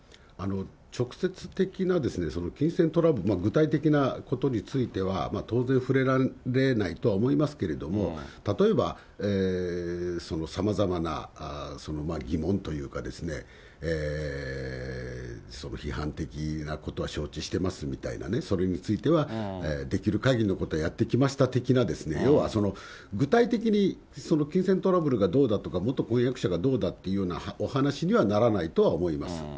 直接的な金銭トラブルの具体的なことについては当然、触れられないとは思いますけれども、例えばそのさまざまな疑問というかですね、批判的なことは承知してますみたいなね、それについてはできるかぎりのことをやってきました的なですね、要は具体的に、その金銭トラブルがどうだとか、元婚約者がどうだっていうようなお話にはならないとは思います。